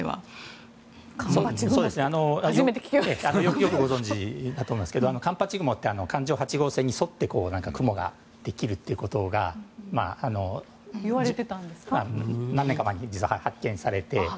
よくご存じだと思いますが環八雲って環状８号線に沿って雲ができるということが何年か前に実は、発見されて。